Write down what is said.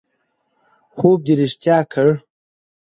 خوب دې رښتیا کړ